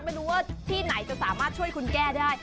ไม่รู้ว่าที่ไหนจะสามารถช่วยคุณแก้ได้